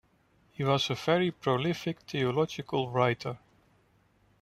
He was a very prolific theological writer.